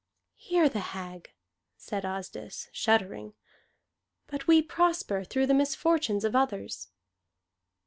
"Hear the hag," said Asdis, shuddering. "But we prosper through the misfortunes of others."